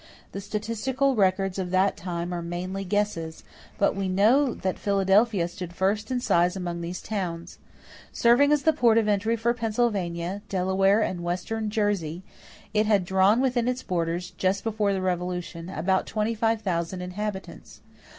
The statistical records of that time are mainly guesses; but we know that Philadelphia stood first in size among these towns. Serving as the port of entry for Pennsylvania, Delaware, and western Jersey, it had drawn within its borders, just before the Revolution, about 25,000 inhabitants.